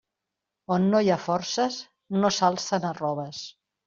On no hi ha forces no s'alcen arroves.